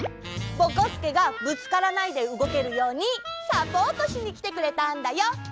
ぼこすけがぶつからないで動けるようにサポートしにきてくれたんだよ。ね！